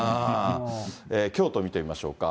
京都見てみましょうか。